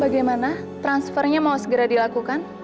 bagaimana transfernya mau segera dilakukan